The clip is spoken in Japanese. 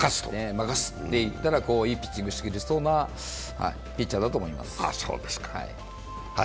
任せるといったらいいピッチングしてくれそうなピッチャーだと思います。